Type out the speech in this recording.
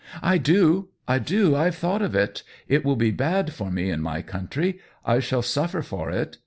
" I do— I do ; I Ve thought of it. It will be bad for me in my country ; I shall suffer for it.